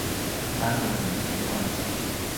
gadu i Taiwan